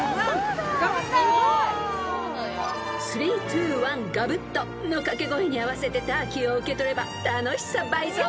［「スリーツーワンガブッと！」の掛け声に合わせてターキーを受け取れば楽しさ倍増］